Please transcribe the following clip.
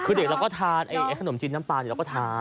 คือเด็กเราก็ทานขนมจีนน้ำปลาเราก็ทาน